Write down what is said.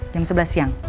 jam sebelas siang